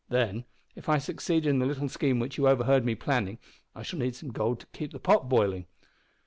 Then, if I succeed in the little scheme which you overheard me planning, I shall need some gold to keep the pot boiling!"